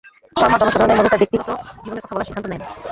শর্মা জনসাধারণের মধ্যে তার ব্যক্তিগত জীবনের কথা বলার সিদ্ধান্ত নেন।